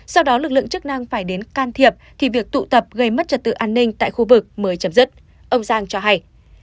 sau đó lực lượng chức năng phải đến can thiệp thì việc tụ tập gây mất trật tự an ninh tại khu vực mới chấm dứt ông giang cho hay